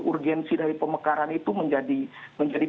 urgensi dari pemekaran itu menjadi